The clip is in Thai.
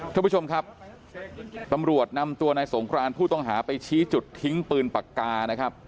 ท่านผู้ชมครับตำรวจนำตัวนายสงครานผู้ต้องหาไปชี้จุดทิ้งปืนปากกานะครับ